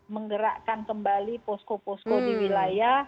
menggerakkan kembali posko posko di wilayah